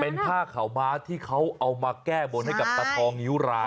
เป็นผ้าขาวม้าที่เขาเอามาแก้บนให้กับตาทองนิ้วราย